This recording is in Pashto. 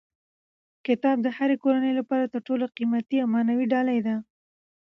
کتاب د هرې کورنۍ لپاره تر ټولو قیمتي او معنوي ډالۍ ده.